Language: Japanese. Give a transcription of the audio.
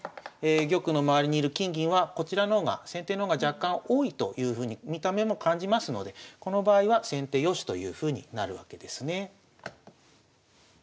玉の周りに居る金銀はこちらの方が先手の方が若干多いというふうに見た目も感じますのでこの場合は先手よしというふうになるわけですね。